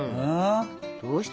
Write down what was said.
どうした？